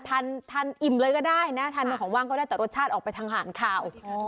ทานอิ่มเลยก็ได้นะทานเป็นของว่างก็ได้แต่รสชาติออกไปทางหารข่าว